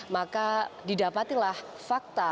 maka didapatilah fakta